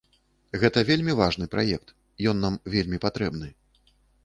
Гэта вельмі важны праект, ён нам вельмі патрэбны.